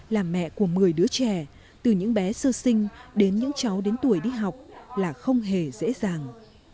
làm mẹ của một mươi đứa trẻ từ những bé sơ sinh đến những cháu đến tuổi đi học là không hề dễ dàng